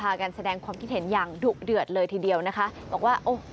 กันแสดงความคิดเห็นอย่างดุเดือดเลยทีเดียวนะคะบอกว่าโอ้